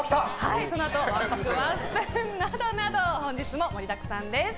そのあとわんぱくワンスプーンなど本日も盛りだくさんです。